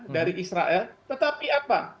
dari israel tetapi apa